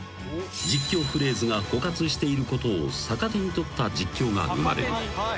［実況フレーズが枯渇していることを逆手に取った実況が生まれる］